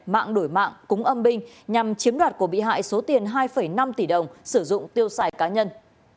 mạng đổi mạng cúng âm binh nhằm chiếm đoạt của bị hại số tiền hai năm tỷ đồng sử dụng tiêu xài cá nhân